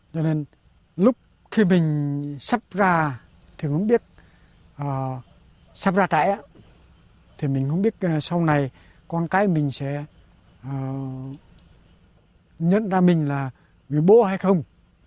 cho nên lúc khi mình sắp ra thì không biết sắp ra trải thì mình không biết sau này con cái mình sẽ nhấn ra mình là người bố hay không